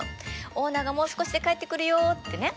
オーナーがもう少しで帰ってくるよってね。